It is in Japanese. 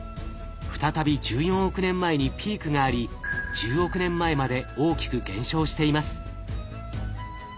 再び１４億年前にピークがあり１０億年前まで大きく減少しています。